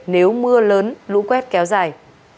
nếu mưa lớn lũ quét kéo dài